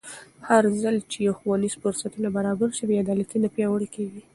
هرځل چې ښوونیز فرصتونه برابر شي، بې عدالتي نه پیاوړې کېږي.